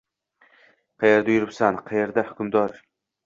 Qaerda yuribsan? Qayda hukmdor?